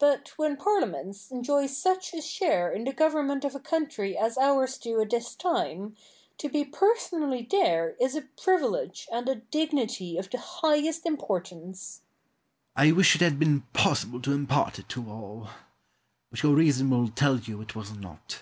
Douglas. They have so; but when parliaments enjoy such a share in the government of a country as ours do at this time, to be personally there is a privilege and a dignity of the highest importance. Argyle. I wish it had been possible to impart it to all. But your reason will tell you it was not.